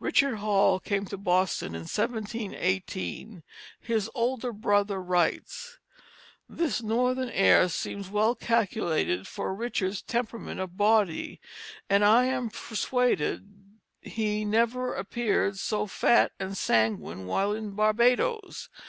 Richard Hall came to Boston in 1718. His older brother writes: "This Northern Air seems well calculated for Richard's Temperament of body and I am Psuaded he never appeared so Fat and Sanguine while in Barbados.